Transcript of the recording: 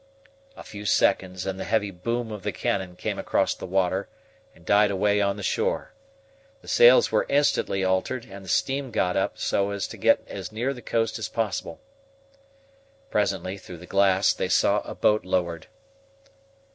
A few seconds, and the heavy boom of the cannon came across the water and died away on the shore. The sails were instantly altered, and the steam got up, so as to get as near the coast as possible. Presently, through the glass, they saw a boat lowered.